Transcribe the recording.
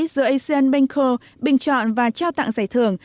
do asian bank co bình chọn và trao tặng giải thưởng